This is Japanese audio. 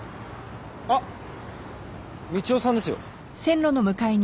あっみちおさんですよ。